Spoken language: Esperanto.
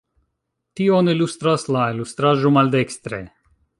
Tion ilustras la ilustraĵo maldekstre.